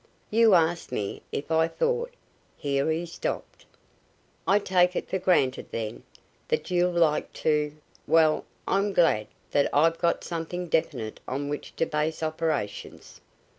"You asked me if I thought " Here he stopped. "I take it for granted, then, that you'd like to. Well, I'm glad that I've got something definite on which to base operations.